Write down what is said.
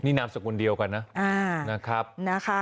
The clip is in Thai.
นี่นามสกุลเดียวกันนะ